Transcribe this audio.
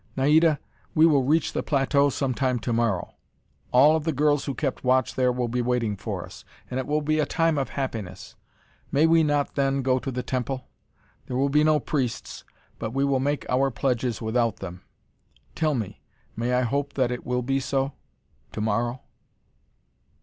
Naida, we will reach the plateau sometime to morrow. All of the girls who kept watch there will be waiting for us, and it will be a time of happiness. May we not, then, go to the temple? There will be no priests. But we will make our pledges without them. Tell me, may I hope that it will be so to morrow?"